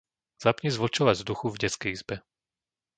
Zapni zvlhčovač vzduchu v detskej izbe.